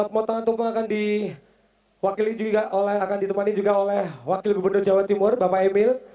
pemotongan tumpang akan ditemani juga oleh wakil gubernur jawa timur bapak emil